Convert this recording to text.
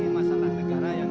masalah negara yang